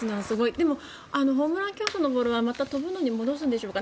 でも、ホームラン競争のボールはまた飛ぶのに戻すんでしょうか？